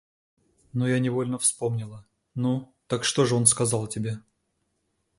Но я невольно вспомнила... Ну, так что же он сказал тебе?